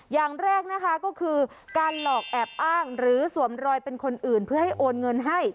อย่างแรกนะคะก็คือการหลอกแอบอ้างหรือสวมรอยเป็นคนอื่นเพื่อให้โอนเงินให้